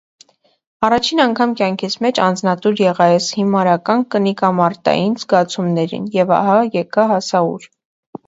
Առաջին անգամ կյանքիս մեջ անձնատուր եղա այս հիմարական կնիկարմատային զգացումներին և ահա եկա հասա ուր…